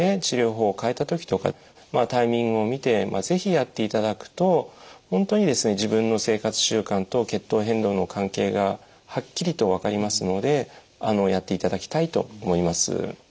治療法を変えた時とかまあタイミングを見て是非やっていただくと本当にですね自分の生活習慣と血糖変動の関係がはっきりと分かりますのでやっていただきたいと思います。